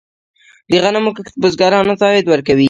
د غنمو کښت بزګرانو ته عاید ورکوي.